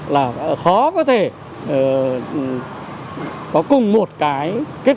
là khó có thể có cùng một cái